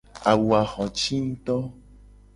Awu a xo ci nguto.